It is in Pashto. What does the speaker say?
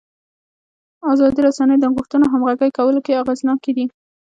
ازادې رسنۍ د غوښتنو همغږي کولو کې اغېزناکې دي.